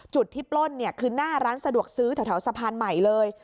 จุดที่ปล้นเนี่ยคือหน้าร้านสะดวกซื้อแถวสะพานใหม่เลย